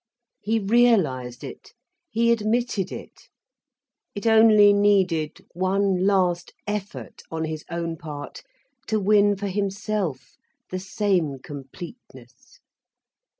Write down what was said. He realised it, he admitted it, it only needed one last effort on his own part, to win for himself the same completeness.